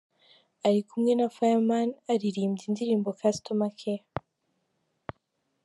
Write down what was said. Ari kumwe na Fireman aririmbye indirimbo Customer Care.